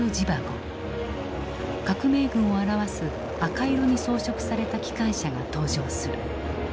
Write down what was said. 革命軍を表す赤色に装飾された機関車が登場する。